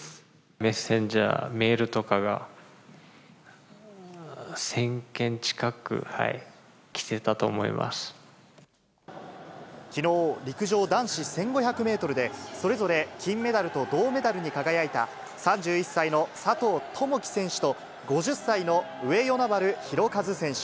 メッセージやメールとかが、きのう、陸上男子１５００メートルで、それぞれ金メダルと銅メダルに輝いた３１歳の佐藤友祈選手と、５０歳の上与那原寛和選手。